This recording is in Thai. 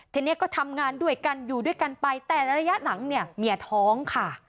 ทีนี้ก็ทำงานด้วยกันอยู่ด้วยกันไปแต่ระยะหลังเนี่ยเมียท้องค่ะ